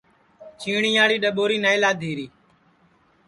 چیٹِؔیاڑی ڈؔٻوری نائی لادھی ری